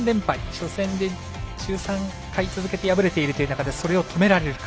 初戦で１３回続けて敗れているという中でそれを止められるか。